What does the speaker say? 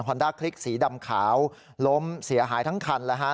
ด้าคลิกสีดำขาวล้มเสียหายทั้งคันแล้วฮะ